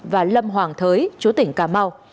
và lâm hoàng thới chú tỉnh cà mau